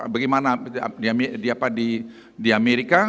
bagaimana di amerika